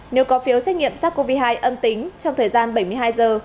nếu có phiếu xét nghiệm sars cov hai âm tính trong thời gian bảy mươi hai giờ